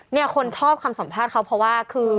เนี่ยคนชอบคำสัมภาษณ์เขาเพราะว่าคือ